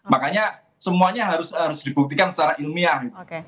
makanya semuanya harus dibuktikan secara ilmiah gitu